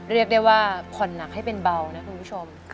เรียกได้ว่าผ่อนหนักให้เป็นเบานะคุณผู้ชม